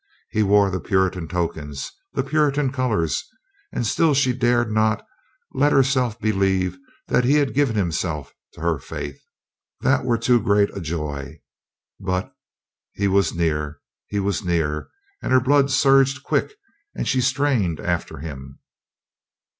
He wore the Puritan tokens, the Puritan colors; and still she dared not let herself believe that he had given himself to her faith. That were too great a joy. But he was near, he was near, and her blood surged quick and she strained after him.